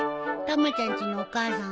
たまちゃんちのお母さんは？